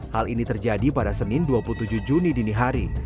hal ini terjadi pada senin dua puluh tujuh juni dini hari